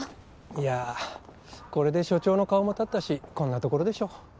いやこれで署長の顔も立ったしこんなところでしょ。